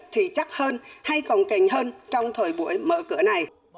thì chắc hơn hay còng cảnh hơn trong thời buổi mở cửa này